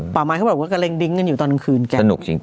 ป่าวไม้เขาก็เล็งดิ๊งอยู่ตอนกลางคืนแกน่ากลัวนะสนุกจริง